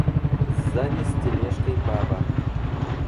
Сзади с тележкой баба.